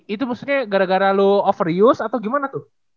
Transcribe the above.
itu maksudnya gara gara lo overius atau gimana tuh